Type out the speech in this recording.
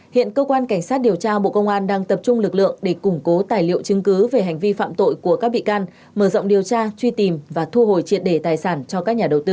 hiện cơ quan cảnh sát điều tra bộ công an đang tập trung lực lượng để củng cố tài liệu chứng cứ về hành vi phạm tội của các bị can mở rộng điều tra truy tìm và thu hồi triệt đề tài sản cho các nhà đầu tư